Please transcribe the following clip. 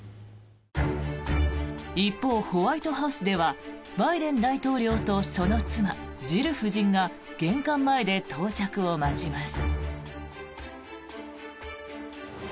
一方、ホワイトハウスではバイデン大統領とその妻・ジル夫人が玄関前で到着を待ちます。